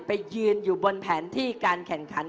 ไปยืนอยู่บนแผนที่การแข่งขัน